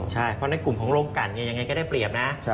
ใช่เพราะในกลุ่มของโรงกันยังไงก็ได้เปรียบนะ